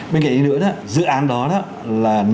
bên cạnh nữa dự án đó là nằm ở những khu vực nông thôn